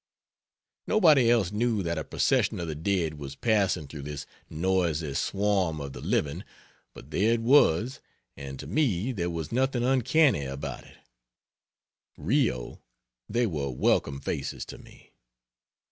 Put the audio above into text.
Nobody else knew that a procession of the dead was passing though this noisy swarm of the living, but there it was, and to me there was nothing uncanny about it; Rio, they were welcome faces to me.